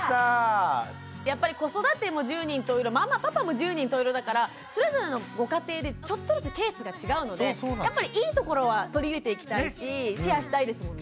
やっぱり子育ても十人十色ママパパも十人十色だからそれぞれのご家庭でちょっとずつケースが違うのでやっぱりいいところは取り入れていきたいしシェアしたいですもんね。